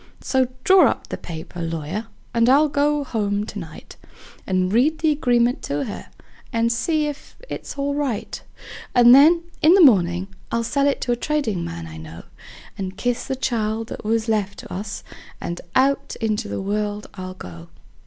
So draw up the paper, lawyer, and I'll go home to night, And read the agreement to her, and see if it's all right; And then, in the mornin', I'll sell to a tradin' man I know, And kiss the child that was left to us, and out in the world I'll go.